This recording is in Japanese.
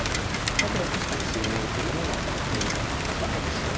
だけど確かに水面というものは見えているわけですよね。